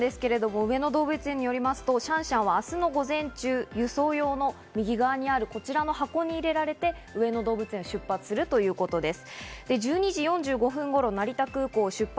上野動物園によりますとシャンシャンは、明日の午前中、輸送用のこちらにある箱に入れられて上野動物園を出発するということです。